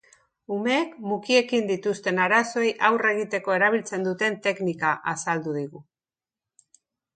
Umeek mukiekin dituzten arazoei aurre egiteko erabiltzen duten teknika azaldu digu.